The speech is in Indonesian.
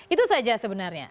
itu saja sebenarnya